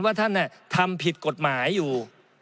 ว่าท่านทำผิดกฎหมายอยู่